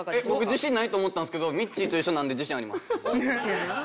僕自信ないと思ったんですけどみっちーと一緒なので自信あります。